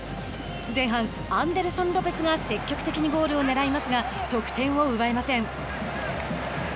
前半、アンデルソン・ロペスが積極的にゴールをねらいますが得点を奪えません。